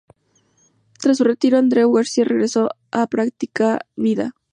Tras su retiro Andreu García regresó a la práctica privada.